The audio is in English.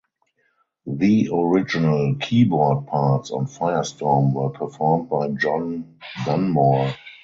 The original keyboard parts on Firestorm were performed by Jon Dunmore.